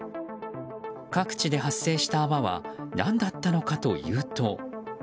各地で発生した泡は何だったのかというと。